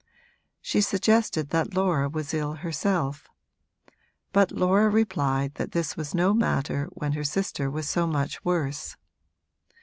She suggested that Laura was ill herself, but Laura replied that this was no matter when her sister was so much worse.